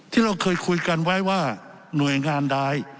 ที่เราเคยคุยกันไว้ว่าหน่วยงานใด